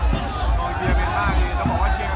มันอาจจะไม่เอาเห็น